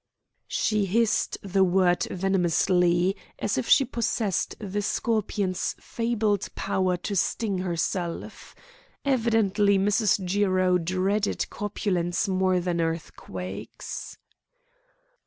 She hissed the word venomously, as if she possessed the scorpion's fabled power to sting herself. Evidently Mrs. Jiro dreaded corpulence more than earthquakes.